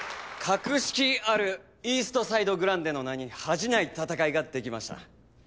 格式あるイーストサイド・グランデの名に恥じない戦いができました。